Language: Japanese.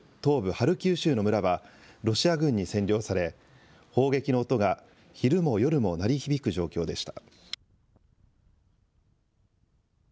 ハルキウ州の村はロシア軍に占領され、砲撃の音が昼も夜も鳴り響く状況でした。